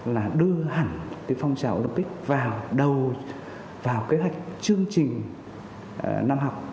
là đưa hẳn cái phong trào olympic vào đầu vào kế hoạch chương trình năm học